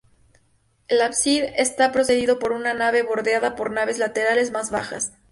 El ábside está precedido por una nave bordeada por naves laterales más bajas.